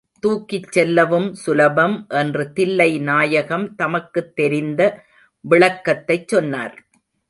தூக்கிச்செல்லவும் சுலபம் என்று தில்லை நாயகம் தமக்குத் தெரிந்த விளக்கத்தைச் சொன்னார்.